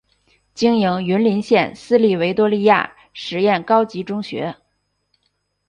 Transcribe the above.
经营云林县私立维多利亚实验高级中学。